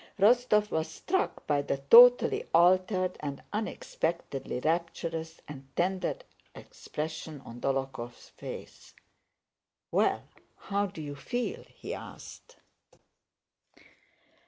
Rostóv was struck by the totally altered and unexpectedly rapturous and tender expression on Dólokhov's face. "Well? How do you feel?" he asked.